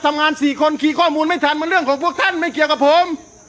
ทำงาน๔คนขี่ข้อมูลไม่ทันมันเรื่องของพวกท่านไม่เกี่ยวกับผม